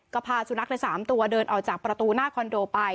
ก็พาสุนัขไป๓ตัวเดินออกจากประตูหน้าคอนโดไป